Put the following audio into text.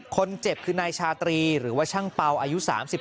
คนเจ็บคือนายชาตรีหรือว่าช่างเป่าอายุ๓๓